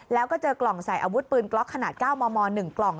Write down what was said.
แล้วก็เจอกล่องใส่อาวุธปืนกล็อกขนาด๙มม๑กล่อง